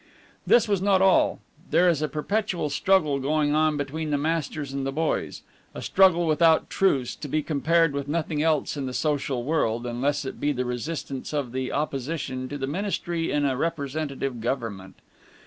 This was not all. There is a perpetual struggle going on between the masters and the boys, a struggle without truce, to be compared with nothing else in the social world, unless it be the resistance of the opposition to the ministry in a representative government.